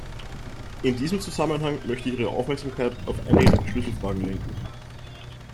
In diesem Zusammenhang möchte ich Ihre Aufmerksamkeit auf einige Schlüsselfragen lenken.